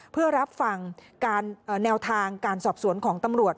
เพื่อรับฟังการแนวทางการสอบสวนของตำรวจ